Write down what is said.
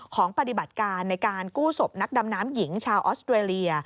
ปฏิบัติการในการกู้ศพนักดำน้ำหญิงชาวออสเตรเลีย